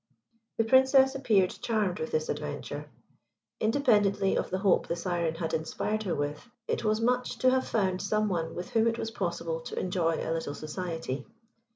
The Princess appeared charmed with this adventure. Independently of the hope the Syren had inspired her with, it was much to have found some one with whom it was possible to enjoy a little society.